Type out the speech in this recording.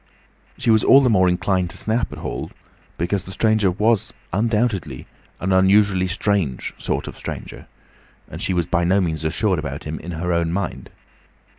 She was all the more inclined to snap at Hall because the stranger was undoubtedly an unusually strange sort of stranger, and she was by no means assured about him in her own mind.